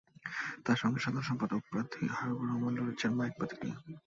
তাঁর সঙ্গে সাধারণ সম্পাদক প্রার্থী হাবিবুর রহমান লড়ছেন মাইক প্রতীক নিয়ে।